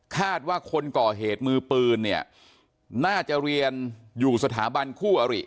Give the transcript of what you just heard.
คาดว่าคนก่อเหตุมือปืนเนี่ยน่าจะเรียนอยู่สถาบันคู่อริ